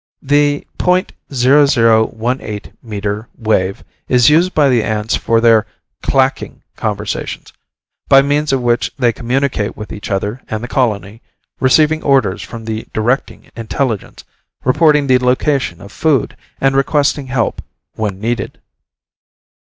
The .0018 meter wave is used by the ants for their "clacking" conversations, by means of which they communicate with each other and the colony, receiving orders from the directing intelligence, reporting the location of food, and requesting help, when needed.